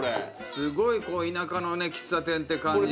すごいこう田舎のね喫茶店って感じで。